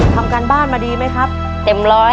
ทำการบ้านมาดีไหมครับเต็มร้อย